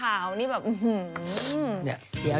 ละข่าวนี่แบบอื้อหือ